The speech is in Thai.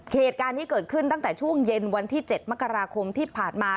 เหตุการณ์ที่เกิดขึ้นตั้งแต่ช่วงเย็นวันที่๗มกราคมที่ผ่านมา